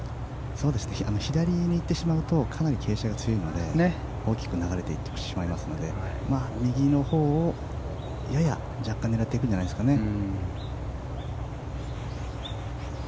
左に行ってしまうとかなり傾斜が強いので大きく流れて行ってしまいますので右のほうを若干狙っていくんじゃないでしょうか。